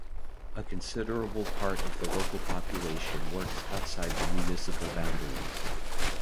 A considerable part of the local population works outside the municipal boundaries.